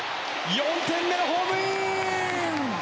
４点目のホームイン！